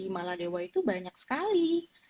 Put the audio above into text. maladewa itu banyak sekali